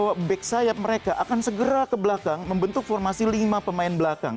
bahwa back sayap mereka akan segera ke belakang membentuk formasi lima pemain belakang